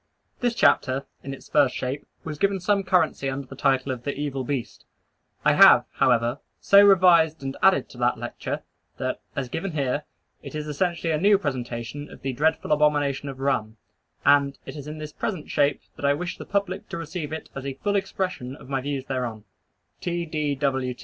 This chapter, in its first shape, was given some currency under the title of "The Evil Beast." I have, however, so revised and added to that Lecture, that, as here given, it is essentially a new presentation of the dreadful Abomination of Rum, and it is in this present shape that I wish the public to receive it as a full expression of my views thereon.